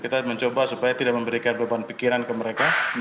kita mencoba supaya tidak memberikan beban pikiran ke mereka